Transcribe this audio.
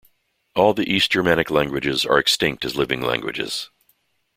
All the East Germanic languages are extinct as living languages.